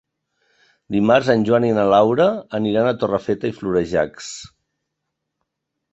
Dimarts en Joan i na Laura aniran a Torrefeta i Florejacs.